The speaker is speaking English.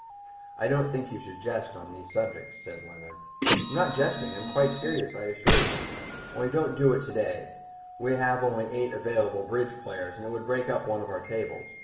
"I don't think one should jest on these subjects," said Leonard. "I'm not jesting, I'm quite serious, I assure you. Only don't do it to day; we have only eight available bridge players, and it would break up one of our tables.